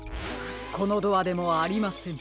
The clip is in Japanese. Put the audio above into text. このドアでもありません。